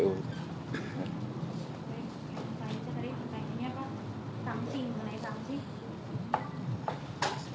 saya nanya tadi pertanyaannya apa